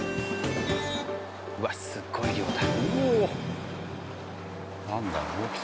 うわっすっごい量だ。